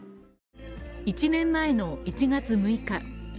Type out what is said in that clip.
１年前の１月６日。